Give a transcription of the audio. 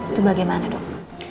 itu bagaimana dok